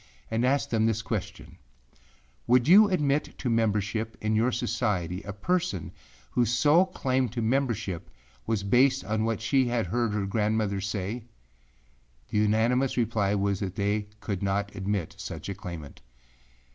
and asked them this question, Would you admit to membership in your society a person whose sole claim to membership was based on what she had heard her grandmother say? The unanimous reply was that they could not admit such a claimant.